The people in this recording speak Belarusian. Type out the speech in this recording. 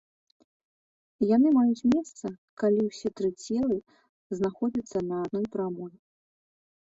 Яны маюць месца, калі ўсе тры целы знаходзяцца на адной прамой.